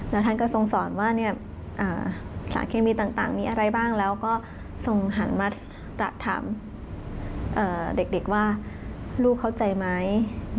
แล้วก็ส่งหันมาปรับถามเด็กว่าลูกเข้าใจไหม